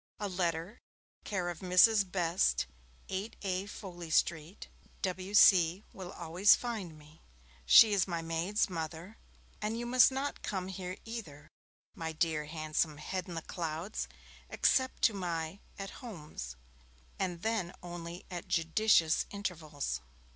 A letter, care of Mrs. Best, 8A Foley Street, W.C., will always find me. She is my maid's mother. And you must not come here either, my dear handsome head in the clouds, except to my 'At Homes', and then only at judicious intervals.